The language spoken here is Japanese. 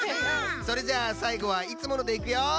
それじゃあさいごはいつものでいくよ！